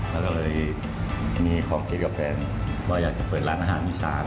แล้วก็เลยมีความคิดกับแฟนว่าอยากจะเปิดร้านอาหารอีสาน